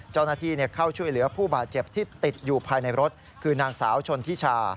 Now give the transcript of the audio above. เจ้าหน้าที่เข้าช่วยเหลือผู้บาดเจ็บที่ติดอยู่ภายในรถคือนางสาวชนทิชา